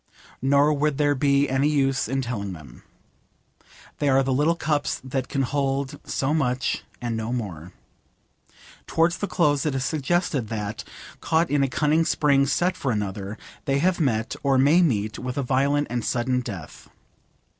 Nor would there be any use in telling them. They are the little cups that can hold so much and no more. Towards the close it is suggested that, caught in a cunning spring set for another, they have met, or may meet, with a violent and sudden death.